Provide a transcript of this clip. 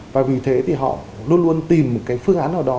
và vì thế thì họ luôn luôn tìm một cái phương án nào đó